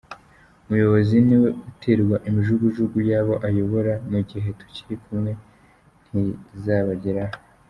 "umuyobozi niwe uterwa imijugujugu y’abo ayobora, mu gihe tukiri kumwe ntayizabageraho".